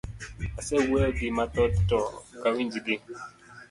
Asewuoyo giji mathoth to okawinj gi.